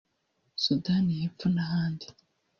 Sudani y’Epfo n’ahandi